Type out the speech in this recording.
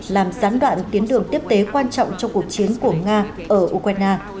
làm gián đoạn tuyến đường tiếp tế quan trọng trong cuộc chiến của nga ở ukraine